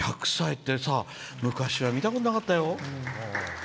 １００歳って昔は見たことなかったよ。